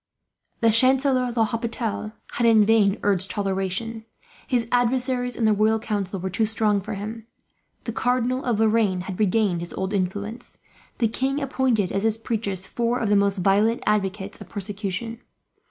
The Chancellor L'Hopital had, in vain, urged toleration. His adversaries in the royal council were too strong for him. The Cardinal of Lorraine had regained his old influence. The king appointed, as his preachers, four of the most violent advocates of persecution.